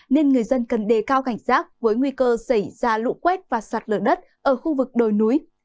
nên người dân cần đề cao cảnh giác với nguy cơ xảy ra lũ quét và sạt lở đất ở khu vực đồi núi